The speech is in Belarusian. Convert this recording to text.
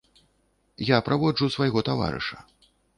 Я праводжу свайго таварыша.